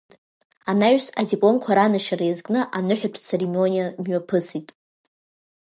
Анаҩс адипломқәа ранашьара иазкны аныҳәатә церемониа мҩаԥысит.